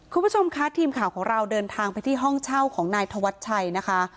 คุณผู้ชมคะทีมข่าวของเราเดินทางไปที่ห้องเช่าของนายธวัชชัยนะคะ